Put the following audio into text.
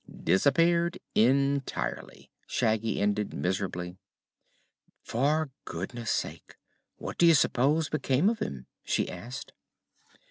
Disappeared entirely," Shaggy ended miserably. "For goodness sake! What do you s'pose became of him?" she asked.